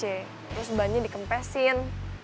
terus bannya dikempesin